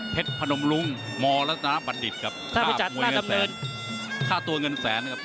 พนมรุงมรบัณฑิษฐ์กับค่าตัวเงินแสนครับ